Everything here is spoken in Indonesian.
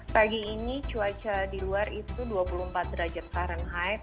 pagi ini cuaca di luar itu dua puluh empat derajat fahrenheit